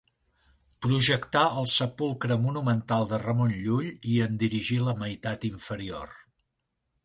Projectà el sepulcre monumental de Ramon Llull i en dirigí la meitat inferior.